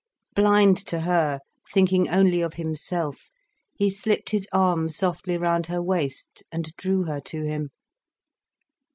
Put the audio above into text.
Blind to her, thinking only of himself, he slipped his arm softly round her waist, and drew her to him.